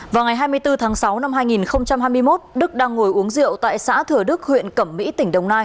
vào ngày hai mươi bốn tháng sáu năm hai nghìn hai mươi một đức đang ngồi uống rượu tại xã thừa đức huyện cẩm mỹ tỉnh đồng nai